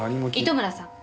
糸村さん。